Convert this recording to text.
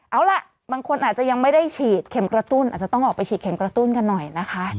เอาล่ะบางคนอาจจะยังไม่ได้ฉีดเข็มกระตุ้นอาจจะต้องออกไปฉีดเข็มกระตุ้นกันหน่อยนะคะ